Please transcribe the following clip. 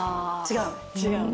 違う？